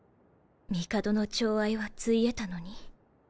帝の寵愛はついえたのに？